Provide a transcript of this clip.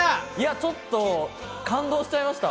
ちょっと感動しちゃいました、